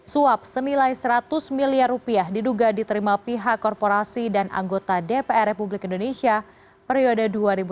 suap senilai seratus miliar rupiah diduga diterima pihak korporasi dan anggota dpr republik indonesia periode dua ribu tujuh belas dua ribu dua